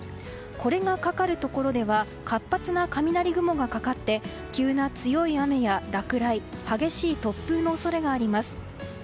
これがかかるところでは活発な雷雲がかかって急な強い雨や落雷激しい突風の恐れがあります。